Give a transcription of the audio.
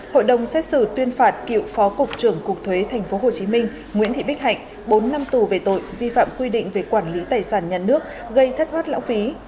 hội đồng xét xử tuyên phạt cựu phó cục trưởng cục thuế tp hcm nguyễn thị bích hạnh bốn năm tù về tội vi phạm quy định về quản lý tài sản nhà nước gây thất thoát lãng phí